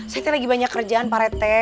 saya lagi banyak kerjaan pak rete